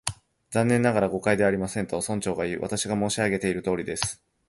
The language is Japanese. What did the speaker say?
「残念ながら、誤解ではありません」と、村長がいう。「私が申し上げているとおりです」